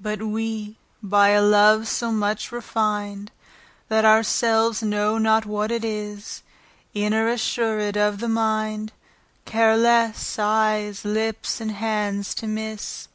But we by a love, so much refin'd, That our selves know not what it is, Inter assured of the mind, Care lesse, eyes, lips, and hands to misse.